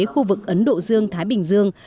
khu vực ấn độ dương thái bình dương